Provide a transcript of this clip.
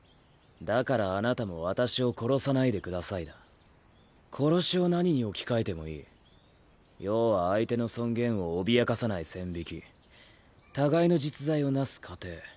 だからあなたも私を殺さないでください」だ殺しを何に置き換えてもいい要は相手の尊厳を脅かさない線引き互いの実在を成す過程。